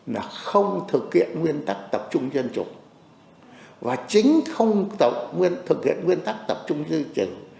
là không thực hiện nguyên tắc tập trung dân chủ và chính không thực hiện nguyên tắc tập trung dân chủ